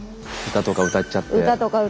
歌とか歌っちゃってさ。